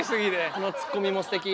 このツッコミもステキ。